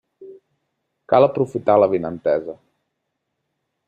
Cal aprofitar l'avinentesa.